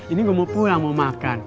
ini gue mau pulang mau makan